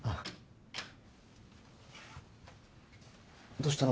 どうしたの？